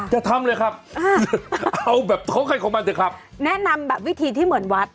จะทำเลยครับเอาแบบท้องใครของมันเถอะครับแนะนำแบบวิธีที่เหมือนวัด